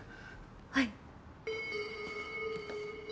はい。